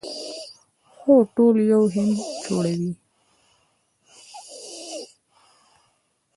خو ټول یو هند جوړوي.